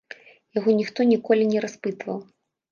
Яго ніхто ніколі не распытваў.